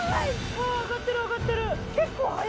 あぁ上がってる上がってる！